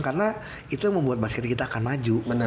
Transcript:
karena itu yang membuat basket kita akan maju